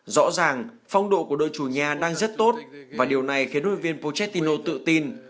rõ ràng phong độ của đội chủ nhà đang rất tốt và điều này khiến đội viên puchetino tự tin